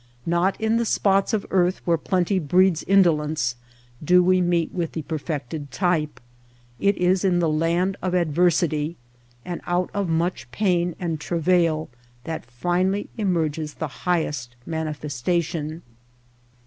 Not in the spots of earth where plenty breeds indolence do we meet with the perfected type. It is in the land of adversity, and out of much pain and travail that finally emerges the high est manifestation.